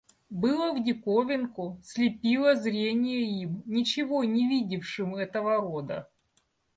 Было в диковинку, слепило зрение им, ничего не видевшим этого рода.